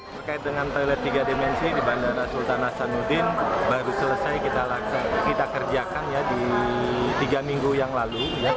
terkait dengan toilet tiga dimensi di bandara sultan hasanuddin baru selesai kita kerjakan di tiga minggu yang lalu